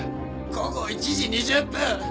午後１時２０分。